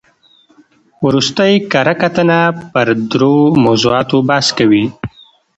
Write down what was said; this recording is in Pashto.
ورستۍ کره کتنه پر درو موضوعاتو بحث کوي.